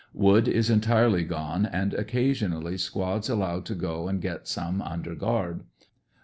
Wood is entirely gone, and occasion ally squads allowed to go and get some under guard.